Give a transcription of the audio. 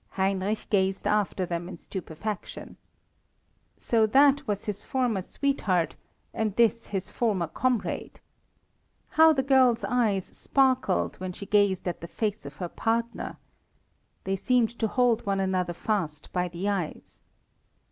Heinrich gazed after them in stupefaction. So that was his former sweetheart, and this his former comrade! How the girl's eyes sparkled when she gazed at the face of her partner! They seemed to hold one another fast by the eyes.